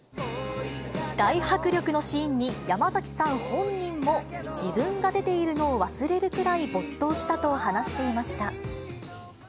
大迫力のシーンに、山崎さん本人も自分が出ているのを忘れるくらい、没頭したと話していました。